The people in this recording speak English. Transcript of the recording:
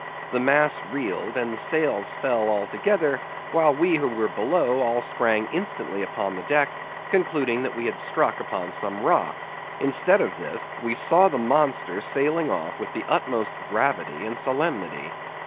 The masts reeled, and the sails fell altogether, while we who were below all sprang instantly upon the deck, concluding that we had struck upon some rock; instead of this we saw the monster sailing off with the utmost gravity and solemnity.